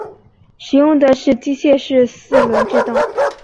使用的是机械式四轮制动。